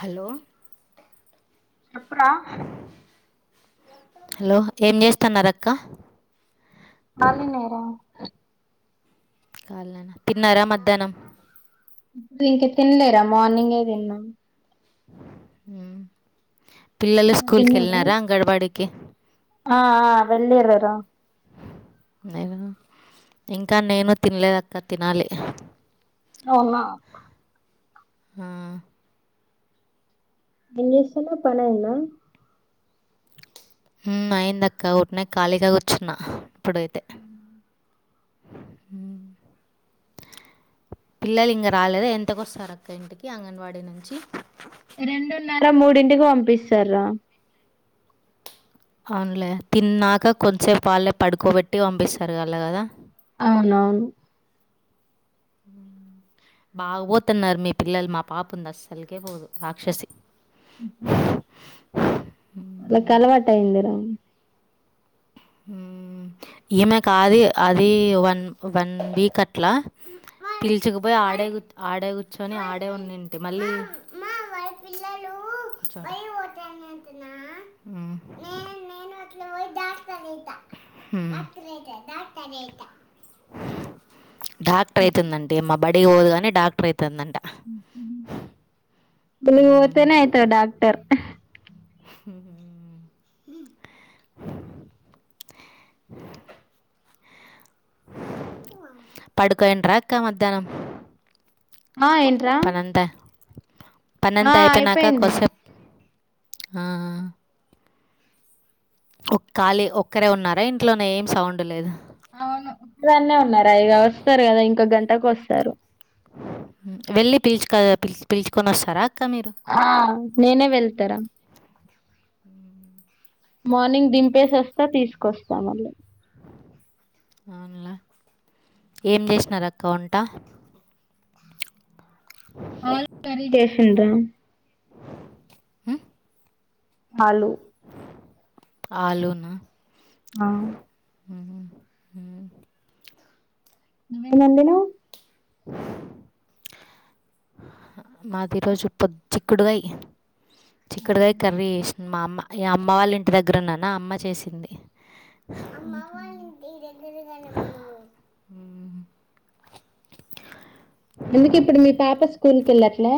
Hello చెప్పురా hello! ఏం చేస్తున్నారు అక్కా? అవునా తిన్నారా మధ్యాహ్నం? ఇప్పుడు ఇంక తినలేరా? మార్నింగ్ ఏ తిన్నా. మ్ పిల్లలు స్కూల్ క తిన్నావా వెళ్ళినారా అంగన్వాడి కి ఆ ఆ వెళ్ళిర్రురా నేను ఇంకా నేను తినలేదు అక్కా నేను చేసిన తినాలి అవునా ఆ ఏం చేస్తున్నావు పని అయ్యిందా? అయిందిక్కా ఊరకనే ఖాళీగా కూర్చున్నా ఇప్పుడైతే మ్ పిల్లలు ఇంకా రాలేదా? ఎంతకొస్తారు అక్కా ఇంటికి అంగన్వాడీ నుంచి రెండున్నర మూడింటికి పంపిరు. అవునులే తిన్నాక కొంచసేపు వాళ్ళే పడుకోబెట్టి పంపిస్తారు కదా? అవునవును బాగు పోతున్నారు మీ పిల్లలు మా పాప ఉంది అస్సలుకే పోదు రాక్షసి. వాళ్ళకి అలవాటు అయింది లేండి. ఈమె కాది అది వన్ వన్ వీక్ అట్లా పిలుచుకుపోయి ఆడే ఆడే కూర్చొని ఆడే ఉండుంటి మళ్ళీ మా పిల్లలు భయం డాక్టర్ అయితా మ్ డాక్టర్ అయితా డాక్టర్ అయితా డాక్టర్ డాక్టర్ అయితుందంట బడికి పోదు కాని డాక్టర్ అవుతుందంట. స్కూల్ కి హ్మ్. పోతేనే అయితారు డాక్టర్. పడుకొనింటారా అక్కా మధ్యాహ్నం ఆ ఏంటరా పన్నంతా అయిపోయినాక అయిపోయింది కొంత సేపు ఆ ఖాళీ ఒక్కరే ఉన్నారా ఇంట్లోనే ఏం సౌండ్ లేదు. అవును ఒక్క దాన్నే ఉన్నా రా ఇగ వస్తారు కదా ఇంకొక గంటకు వస్తారు. వెళ్ళి పిలిచు పి పిల్చుకొని వస్తారా అక్క మీరు. ఆ నేనే వెళ్తారా? మార్నింగ్ దింపేసి వస్తా తీసుకొస్తా మళ్ళీ. అవునా, ఏం చేసినారక్కా వంట? ఆలూ కర్రీ, చేసిందా? ఆలూ ఆలూ ఆ ఏమోండినవ్ [unintelligible] మాది ఈరోజు పచ్చి చిక్కుడుగాయి చిక్కుడుకాయ కర్రీ చేసింది మా అమ్మ ఆ అమ్మ వాళ్ళ ఇంటి దగ్గర ఉన్నానా అమ్మ చేసింది ఉహ్ ని ఎందుకు ఇప్పుడు మీ పాప స్కూల్ కు వెళ్ళట్లే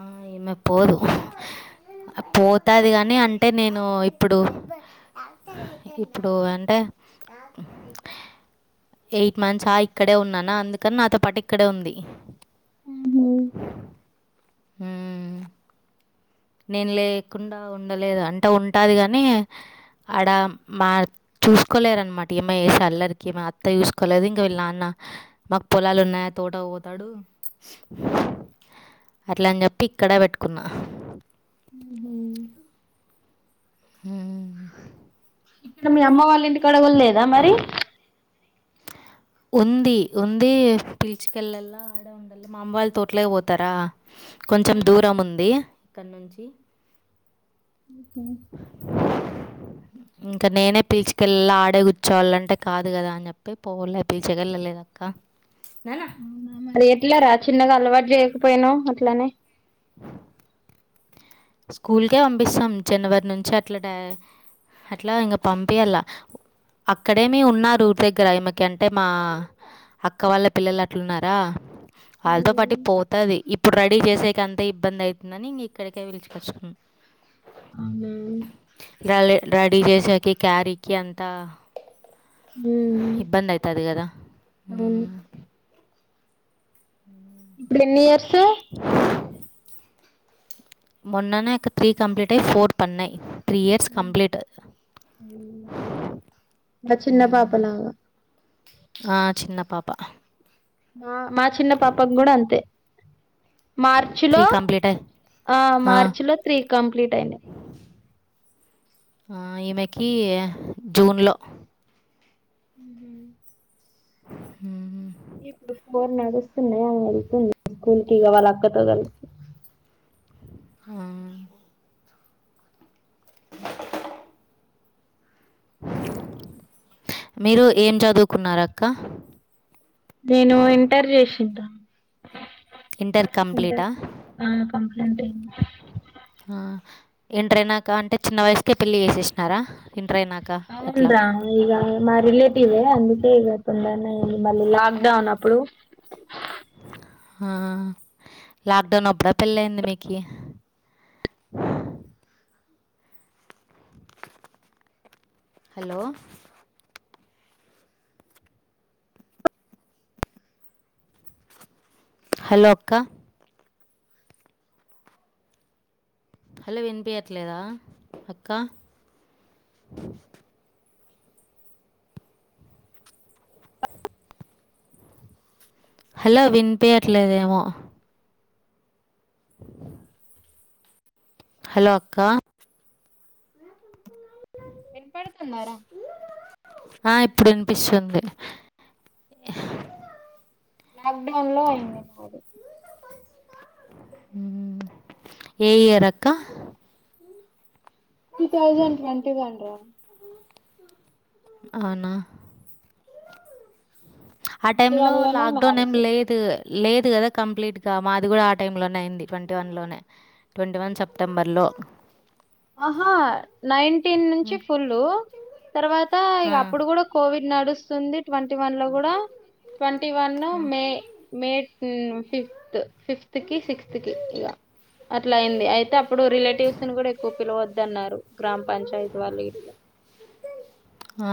ఆ ఈమె పోదు పోతాది గాని అంటే నేను ఇప్పుడు ఇప్పుడు అంటే ఎయిట్ మంత్స్ ఆగి ఇక్కడే ఉన్నానా అందుకని నాతో పాటు ఇక్కడే ఉంది ఆహా హ్ నేను లేకుండా ఉండలేదు అంటే ఉంటది గానీ ఆడ మా చూసుకోలేరనమాట ఈమె చేసే అల్లరికి ఈమె అత్త చూసుకోలేదు ఇంక వీళ్ళ నాన్న మాకు పొలాలు ఉన్నాయా తోటకు పోతాడు అట్ల అని చెప్పి ఇక్కడ పెట్టుకున్నా హ్ ఇగ మీ అమ్మ వాళ్ళ ఇంటి కడ గుడ లేదా మరి ఉంది ఉంది పీచుకల్ల మా అమ్మ వాళ్ళ తోటలాక్ పోతారా కొంచెం హ్మ్. దూరం ఉంది. ఇక్కడ నుంచి ఉహ్ ఇంకా నేనే పిచుకెళ్లా ఆడే కూర్చోళంటే కాదు కదా అని చెప్పి ప్పే పోవలే బిచగల లేద అక్క అవునా! మరి ఎట్లరా చిన్నగా అలవాటు చేయకపోయినవు అట్లనే [inaudible] స్కూల్కే పంపిస్తాం జనవరి నుంచి అట్లానే అట్లా ఇంకా పంపియలా అక్కడేనే ఉన్నరూ ఊరూ దగ్గర ఇమెకి అంటే మా అక్క వాళ్ళ పిల్లలు అట్ల ఉన్నారా వాళ్ళతో పాటు హ్మ్. పోతది ఇప్పుడు రెడీ చేసే అంత ఇబ్బంది అయితుందని ఇంగా ఇక్కడికే పిలుచు కచ్కు అవునా గాలే రెడీ చేసాకి ఇ క్యారీకి అంతా హు ఉమ్ ఇబ్బంది. అవుతది కదా హు అవును ఎప్పుడెన్నేయర్స్ [inaudible] మొన్ననే ఒక త్రీ కంప్లీట్ అయి ఫోర్ పన్నాయ్ త్రీ ఇయర్స్ కంప్లీట్ హ్మ్. మా చిన్న హ్ పాపలాగా ఆ చిన్న పాప హ మా చిన్న పాపకి కూడా అంతే మార్చ్ లో త్రీ కంప్లీట్ ఆ అయ్యి మార్చ్ లో త్రీ కంప్లీట్ అయినాయ్ ఆ ఈమెకి జూన్ లో ఉహ్ హ్ ఇప్పుడు ఫోర్ నడుస్తున్నాయి అ వెళ్తుంది స్కూల్ కి వాళ్ళ అక్క తో కలిసి హ [unintelligible] మీరు ఏం చదువుకున్నారు అక్క నేను ఇంటర్ చేసిన్ర ఇంటర్ ఇంటర్ కంప్లీటా కి అన్ కంప్లీట్ అయింది ఆ ఇంటర్ అయినాక అంటే చిన్న వయసుకే పెళ్ళి చేసేసినారా ఇంటరైనాక అవున్ రా ఇగ మా రిలేటివ్ ఏ అందుకే ఇగ తొందరనే మళ్ళీ లాక్ డౌన్ అప్పుడు ఆ లాక్డౌన్ ఆప్పుడా పెళ్ళి అయింది మీకి హలో హలో అక్క హలో వినిపియట్లేదా అక్క హలో వినిపియట్లేదు ఏమో హలో అక్క వినపదితుందా రా ఆ ఇప్పుడు వినిపిస్తుంది లాక్ డౌన్ లో అయింది నాది ఉ ఏ ఇయర్ అక్క టూ థౌసండ్ ట్వంటీ వన్ రా అవునా ఆ టైమ్ ట్వంటీ లో వన్ లోనే లాక్ డౌన్ మ్యారేజ్ ఏం అయింది లేదు లేదు కదా కంప్లీట్గా మాది కూడా ఆ టైంలోనే అయింది ట్వంటీ వన్ లోనే ట్వంటీ వన్ సెప్టెంబర్లో ఆహా నైన్టీన్ నుంచి హ్మ్. ఫుల్ తర్వాత ఇగ ఆ! అప్పుడు కూడా కోవిడ్ నడుస్తుంది ట్వంటీ వన్ లో కూడా ట్వంటీ వన్ లో హ్మ్. మే మే ఉమ్ ఫిఫ్త్ ఫిఫ్త్ కి సిక్స్త్ కి ఇగ అట్లా అయింది అయి తే అప్పుడు రిలేటివ్స్ ని కూడా ఎక్కువ పిలవద్దన్నారు గ్రామ పంచాయతీ వాళ్ళ ఇట్లా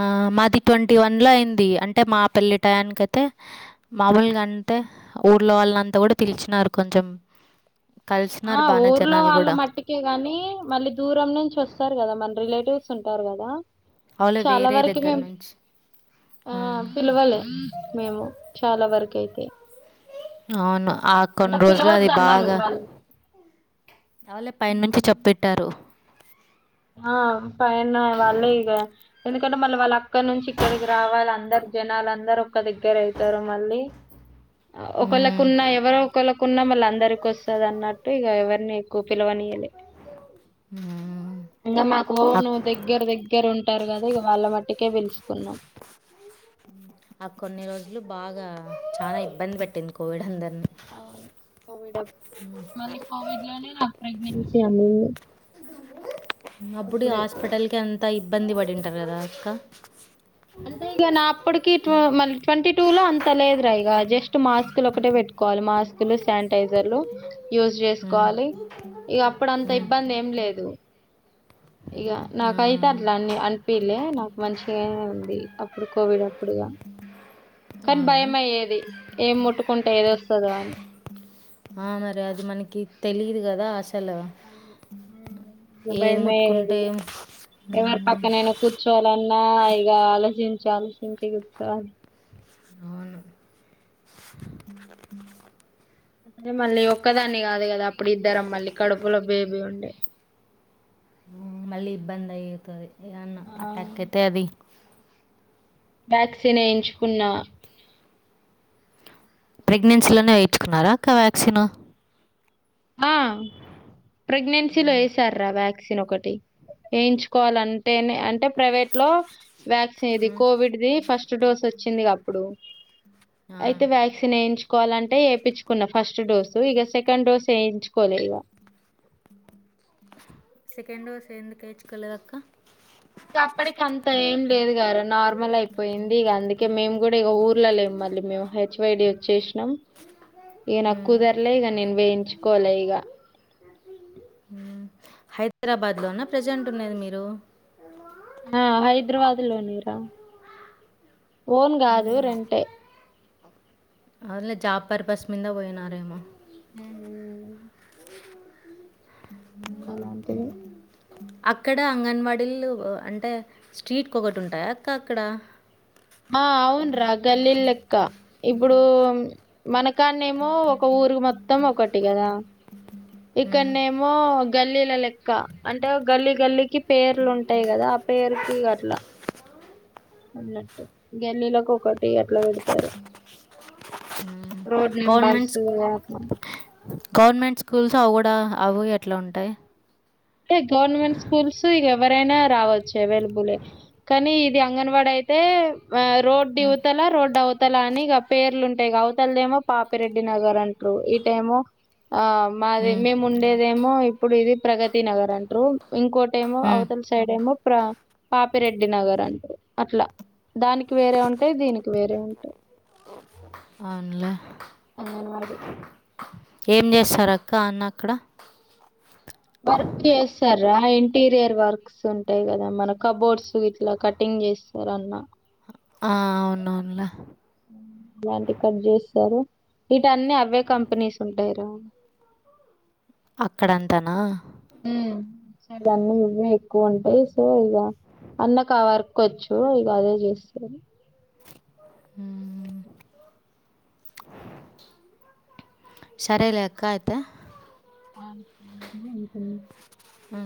ఆ మాది ట్వంటీ వన్ లో అయింది అంటే మా పెళ్ళి టయానికి అయితే మామూలుగంతే ఊర్లో వాళ్ళంతా కూడా పిలిచినారు కొంచెం కలిసిననారు బానే జనాలు కూడా ఓకేగాని మళ్ళీ దూరం నుంచి వస్తారు కదా మన రిలేటివ్స్ ఉంటారు కదా అవులే చాలా వేరే వరకి దగ్గర మేము నుంచి. ఆ హ్మ్. పిలవలే మేము చాలా వరకు అయితే అవును ఆ కొన్ని రోజులు అది పిలవద్దన్నారు బాగా వాళ్ళు. అవులే పైన నుంచి హ్మ్. చెప్ పెట్టారు ఆ పైన వాళ్ళే ఇగ ఎందుకంటే మళ్ళీ వాళ్ళు అక్కడ నుంచి ఇక్కడికి రావాలి అందరు జనాలు అందరు ఒక్క దగ్గర అయితారు మళ్ళీ ఒకళ్ హ్మ్. కున్న ఎవరో ఒకళ్ళకున్నా మళ్ళ అందరికోస్ వస్తది అన్నట్టు ఇగ ఎవరిని ఎక్కువ పిలవనియలే ఆ ఇంకా మాకు ను దగ్గర దగ్గర ఉంటారు కదా ఇక వాళ్ళ మట్టుకే పిలుసుకున్నాం ఆ కొన్ని రోజులు బాగా చానా ఇబ్బంది పెట్టింది కోవిడ్ అందరినీ ఆ కోవిడ్ మరి కోవిడ్ లోనే నా ప్రెగ్నెన్సీ అనింది అప్పుడు హాస్పిటల్ కి అంత ఇబ్బంది పడింటారు కదా అక్క అంతే ఇగ నా అప్పటికి మ ట్వంటీ టూ లో అంత లేదు రా ఇగ జస్ట్ మాస్కు లో ఒకటే పెట్టుకోవాలి మాస్క్ తులు శానిటైజర్లు యూజ్ మ్మ్. చేసుకోవాలి ఇగ అప్పుడు అంత మ్మ్. ఇబ్బంది ఏం లేదు ఇగ ఆ, నాకైతే అట్లా అన్ని అనిపిలే నాకు మంచిగానే ఉంది అప్పుడు కోవిడ్ అప్పుడుగా ఉ కానీ భయం అయ్యేది ఏం ముట్టుకుంటే ఏది వస్తదో అని ఆ మరి అది మనకి తెలియదు కదా అసలు అవును [unintelligible] ఏది బయమది ముట్టుకుంటే ఎవరి మ్మ్. పక్కనేను కు చోలన్నా ఈ ఆలోచించు ఆలోచించంచి గచ్చ [unintelligible] అవును అదే మళ్ళీ ఒక్కదాన్ని కాదు కదా అప్పుడు ఇద్దరం మళ్ళీ కడుపులో బేబీ ఉండే ఉం మళ్ళీ ఇబ్బంది అయితది ఏదన్నా ఆ అటాక్ అయితే అది టాక్సిన్ వేయించుకున్నా ప్రెగ్నెన్సీలోనే వేయిచుకున్నారా అక్క వ్యాక్సిన్ ఆ ప్రెగ్నెన్సీలో వేసార రా వ్యాక్ ను ఒకటి వేయించుకోవాళ్లంటే నే అంటే ప్రైవేట్ లో వ్యాక్సిన్ ఇది కోవిడ్ది ఫస్ట్ డోస్ వచ్చింది గా అప్పుడు అయితే వ్యాక్సిన్ వేయించుకోవాలంటే వేపిచుకున్న ఫస్ట్ డోసు ఇగ సెకండ్ డోసు వేయించుకోలే ఇగ సెకండ్ డోస్ ఎందుకు ఏయిచుకోలేదక్క ఇగ అప్పటికి అంత ఏం లేదు గర నార్మల్ అయిపోయింది ఇక అందుకే మేము కూడా ఇక ఊర్లో లేము మళ్ళీ మేము హెచ్ వైడి వచ్చేసినం అ ఈగ నాకు కుదర్లే ఈగ నేను వేయించుకోవలే ఈగ హైదరాబాద్ లోనా ప్రజెంట్ ఉన్నది మీరు ఆ హైదరాబాద్ లోనేరా ఓన్ కాదు రెంటే అవునులే జాబ్ పర్పస్ మీద పోయినారేమో హు హామ్ అలాంటిదే అక్కడ అంగన్వాడీలు అంటే స్ట్రీట్కి ఒకటి ఉంటాయా అక్క అక్కడ ఆ అవున రా గల్లీల లెక్క ఇప్పుడు మనకాన్న ఏమో ఒక ఊరుకి మొత్తం ఒకటి కదా హ్మ్. ఇక్కడనే ఏమో గల్లీల లెక్క అంటే గల్లీ గల్లికి పేర్లు ఉంటాయి కదా పేరుకి ఇగ అట్లా ఆ అన్నట్టు గల్లీలలకు ఒకటి అట్లా పెడతారు రోడ్ గవర్నమెంట్ నెంబర్స్ స్కూ అట్లా గవర్నమెంట్ స్కూల్స్ అవి కూడా అవి ఎట్లా ఉంటాయి టే గవర్నమెంట్ స్కూల్స్ ఇగ ఎవరైనా రావచ్చు అవైలబులే కానీ ఇది అంగన్వాడ అయి తే రోడ్ ఇవతలా రోడ్ ఆవు అవతల అని ఇగ పేర్లుంటాయి అవతలదేమో పాపిరెడ్డి నగర్ అంటారు ఇటేమో ఆ మాది హ్మ్. మేము ఉండేదేమో ఇప్పుడు ఇది ప్రగతి నగర్ అంటారు ఇంకోటి ఏమో హ్మ్. అవతలి సైడ్ ఏమో ప్ర పాపిరెడ్డి నగర్ అంటారు అట్లా దానికి వేరే ఉంటాయి దీనికి వేరే ఉంటాయి అవునులే అంగన్వాడి. ఏం చేస్తారు అక్క అన్న అక్కడ వర్క్ చేస్తారా ఇంటీరియర్ వర్క్ ఉంటాయి కదా మన కబోర్డ్స్ ఇట్లా కటింగ్ చేస్తారు అన్న ఆ అవునవునులా ఇలాంటి కట్ చేస్తారు ఇటు అన్ని అవే కంపెనీస్ ఉంటాయరా అక్కడంతానా ఉ ఇటు సైడ్ అన్నీ ఇవ్వే ఎక్కువ ఉంటాయి సో ఇగ అన్నకు ఆ వర్క్ వచ్చు ఇక అదే చేస్తంది హ సరేలే అక్క అయితే ఆ అంట అ